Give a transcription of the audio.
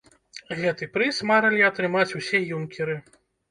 Гэты прыз марылі атрымаць усе юнкеры.